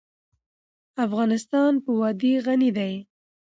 افغانستان په وادي غني دی.